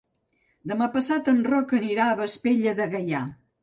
Demà passat en Roc anirà a Vespella de Gaià.